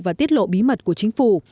và tiết lộ bí mật của chính phủ